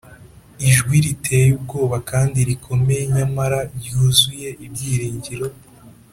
, ijwi riteye ubwoba kandi rikomeye, nyamara ryuzuye ibyiringiro :